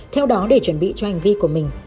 theo đó để chuẩn bị cho hành vi của mình